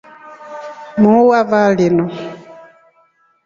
Muu wa vaa linu.